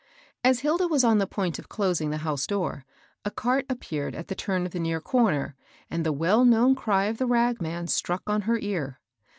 As Hilda was on the point of closing the house door, a cart appeared at the turn of the near cor ner, and the well known cry of the ragman struck on her ear.